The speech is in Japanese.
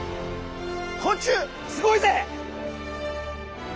「昆虫すごいぜ！」。